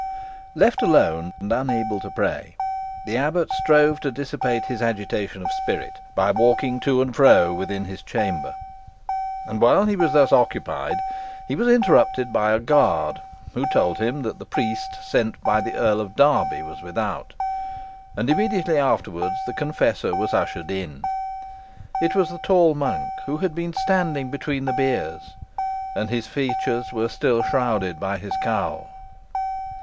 Left alone, and unable to pray, the abbot strove to dissipate his agitation of spirit by walking to and fro within his chamber; and while thus occupied, he was interrupted by a guard, who told him that the priest sent by the Earl of Derby was without, and immediately afterwards the confessor was ushered in. It was the tall monk, who had been standing between the biers, and his features were still shrouded by his cowl.